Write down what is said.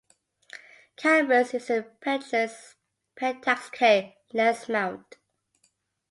Cameras using the Pentax K lens mount.